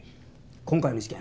今回の事件